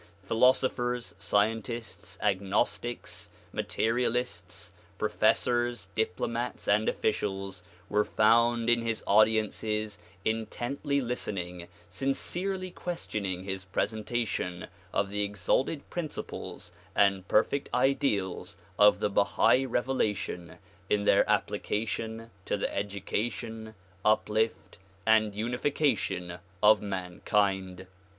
Philoso phers, scientists, agnostics, materialists, professors, diplomats and officials were found in his audiences intently listening, sincerely questioning his presentation of the exalted principles and perfect ideals of the Bahai revelation in their application to the education, uplift and unification of mankind.